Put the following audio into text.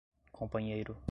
companheiro